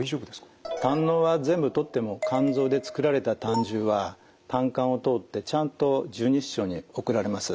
胆のうは全部取っても肝臓でつくられた胆汁は胆管を通ってちゃんと十二指腸に送られます。